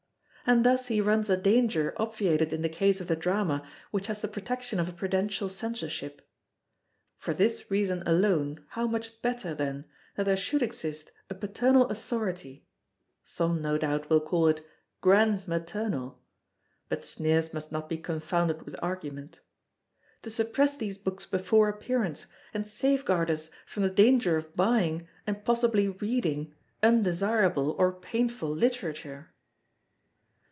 And thus he runs a danger obviated in the case of the Drama which has the protection of a prudential Censorship. For this reason alone, how much better, then, that there should exist a paternal authority (some, no doubt, will call it grand maternal—but sneers must not be confounded with argument) to suppress these books before appearance, and safeguard us from the danger of buying and possibly reading undesirable or painful literature!